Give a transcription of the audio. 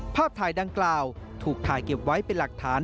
ภาพถ่ายดังกล่าวถูกถ่ายเก็บไว้เป็นหลักฐาน